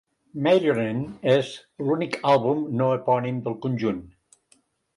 "Meillionen" és l'únic àlbum no epònim del conjunt.